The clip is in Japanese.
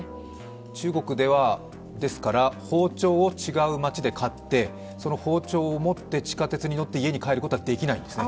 中国では、ですから包丁を違う町で買ってその包丁を持って地下鉄に乗って家に帰ることはできないですね。